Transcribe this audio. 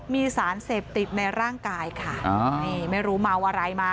มีสารเสพติดในร่างกายค่ะนี่ไม่รู้เมาอะไรมา